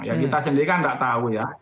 ya kita sendiri kan nggak tahu ya